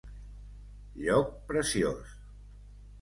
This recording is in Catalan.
lloc preciós